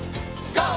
ＧＯ！